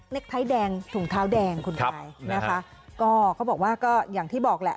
ไทยแดงถุงเท้าแดงคุณยายนะคะก็เขาบอกว่าก็อย่างที่บอกแหละ